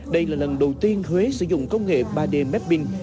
đây là lần đầu tiên huế sử dụng công nghệ ba d mapping